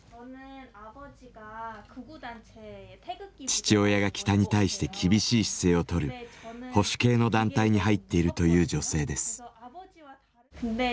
父親が北に対して厳しい姿勢をとる保守系の団体に入っているという女性です。